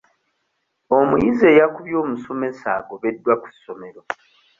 Omuyizi eyakubye omusomesa agobeddwa ku ssomero.